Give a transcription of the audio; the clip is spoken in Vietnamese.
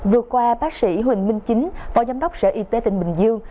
vừa qua bác sĩ huỳnh minh chính phó giám đốc sở y tế tỉnh bình dương